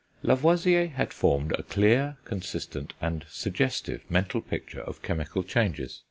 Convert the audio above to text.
Lavoisier had formed a clear, consistent, and suggestive mental picture of chemical changes.